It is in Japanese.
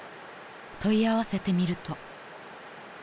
問い合わせてみると］